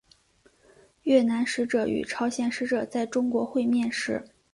越南使者与朝鲜使者在中国会面时。